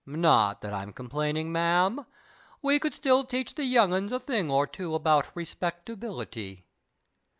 Not that I'm complaining, ma'am. We could still teach the young 'uns a thing or two about respectability."